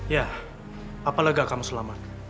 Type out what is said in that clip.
ya apa lega kamu selamat